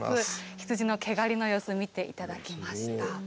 羊の毛刈りの様子を見ていただきました。